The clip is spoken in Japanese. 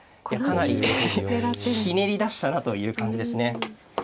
これはかなりひねり出したなという感じですね。